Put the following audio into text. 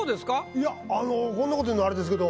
いやこんなこと言うのあれですけど。